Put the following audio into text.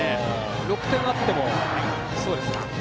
６点あってもそうですか。